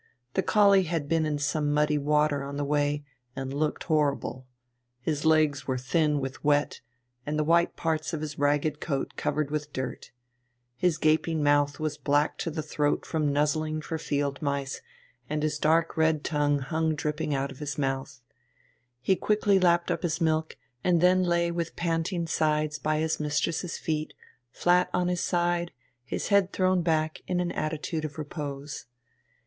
The collie had been in some muddy water on the way, and looked horrible. His legs were thin with wet, and the white parts of his ragged coat covered with dirt. His gaping mouth was black to the throat from nuzzling for field mice, and his dark red tongue hung dripping out of his mouth. He quickly lapped up his milk, and then lay with panting sides by his mistress's feet, flat on his side, his head thrown back in an attitude of repose.